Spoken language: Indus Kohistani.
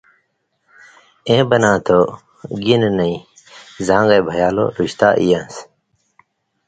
اېں بنا تُھو: گِن نَیں! زاں گے بِھیان٘لو رُشتا ای یان٘س